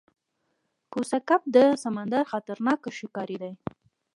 کوسه کب د سمندر خطرناک ښکاری دی